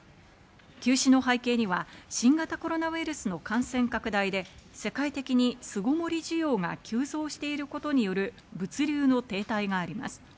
休止の背景には新型コロナウイルスの感染拡大で世界的に巣ごもり需要が急増していることによる物流の停滞があります。